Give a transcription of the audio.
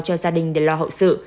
cho gia đình để lo hậu sự